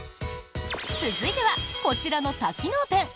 続いては、こちらの多機能ペン。